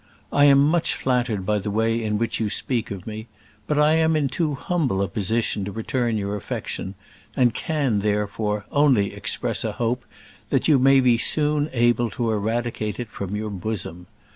I am much flattered by the way in which you speak of me; but I am in too humble a position to return your affection; and can, therefore, only express a hope that you may be soon able to eradicate it from your bosom.